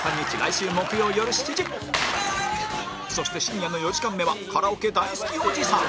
そして深夜の４時間目はカラオケ大好きおじさん